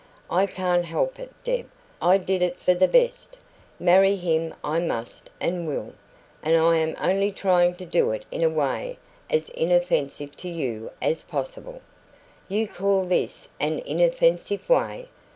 I can't help it, Deb. I did it for the best. Marry him I must and will, and I am only trying to do it in a way as inoffensive to you as possible." "You call this an inoffensive way?